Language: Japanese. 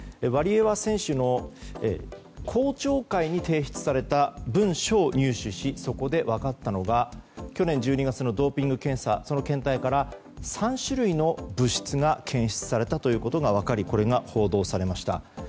ワリエワ選手の公聴会に提出された文書を入手しそこで分かったのが去年１２月のドーピング検査その検体から３種類の物質が検出されたことが分かりこれが報道されました。